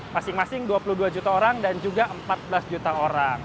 masing masing dua puluh dua juta orang dan juga empat belas juta orang